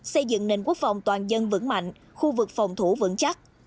xây dựng nền quốc phòng toàn dân vững mạnh khu vực phòng thủ vững chắc